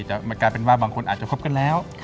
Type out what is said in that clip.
จะกลายเป็นว่าบางคนอาจจะคบกันแล้ว